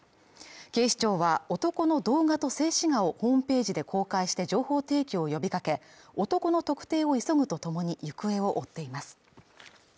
警視庁は男の動画と静止画をホームページで公開して情報提供を呼びかけ男の特定を急ぐとともに行方を追っています